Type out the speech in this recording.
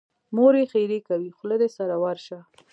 مور یې ښېرې کوي: خوله دې سره ورشه.